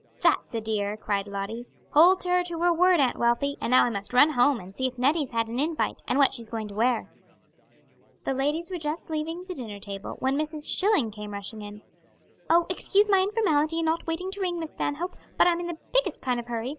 "That's a dear," cried Lottie. "Hold her to her word, Aunt Wealthy. And now I must run home, and see if Nettie's had an invite, and what she's going to wear." The ladies were just leaving the dinner table, when Mrs. Schilling came rushing in. "Oh, excuse my informality in not waiting to ring, Miss Stanhope; but I'm in the biggest kind of a hurry.